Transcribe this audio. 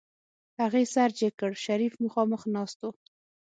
هغې سر جګ کړ شريف مخاخ ناست و.